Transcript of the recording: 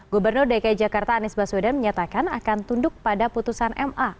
gubernur dki jakarta anies baswedan menyatakan akan tunduk pada putusan ma